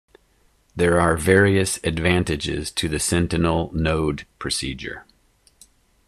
There are various advantages to the sentinel node procedure.